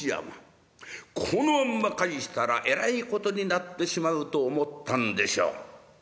このまんま帰したらえらいことになってしまうと思ったんでしょう。